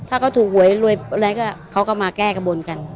ถ้าเขาถูกหวยรวยรัยก็เขาก็มาแก้บนกัน